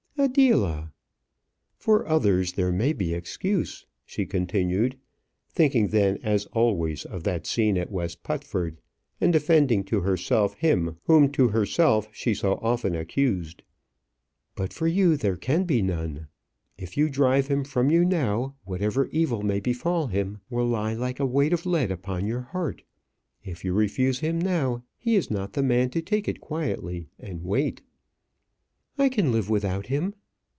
"Adela!" "For others there may be excuse," she continued, thinking then, as always, of that scene at West Putford, and defending to herself him whom to herself she so often accused; "but for you there can be none. If you drive him from you now, whatever evil may befall him will lie like a weight of lead upon your heart. If you refuse him now, he is not the man to take it quietly and wait." "I can live without him."